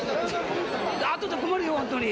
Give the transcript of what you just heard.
あとで困るよ、本当に。